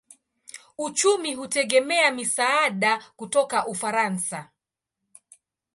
Uchumi hutegemea misaada kutoka Ufaransa.